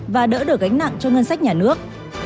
và đỡ được gánh nặng cho ngân sách nhà nước